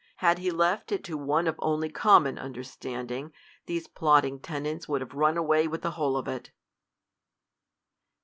Had he left it to one of only common under standing, these plotting tenants would have run away with the whole of it.